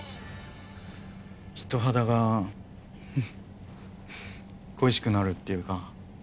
人肌がフフッ恋しくなるっていうか。